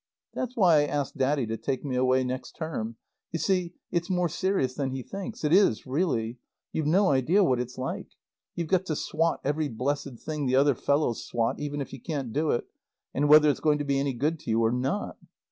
That's why I asked Daddy to take me away next term. You see it's more serious than he thinks it is, really. You've no idea what it's like. You've got to swot every blessed thing the other fellows swot even if you can't do it, and whether it's going to be any good to you or not.